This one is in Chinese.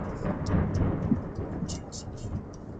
二硫代草酰胺是一种有机化合物。